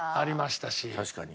確かに。